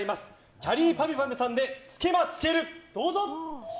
きゃりーぱみゅぱみゅさんで「つけまつける」、どうぞ。